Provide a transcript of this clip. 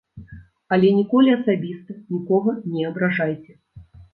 Але ніколі асабіста нікога не абражайце.